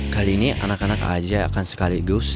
kali ini anak anak aja akan sekaligus